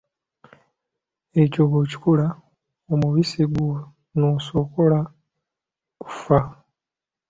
Ekyo bw’okikola omubisi gw’onoosogola gufa.